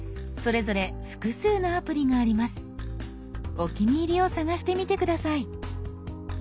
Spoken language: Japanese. お気に入りを探してみて下さい。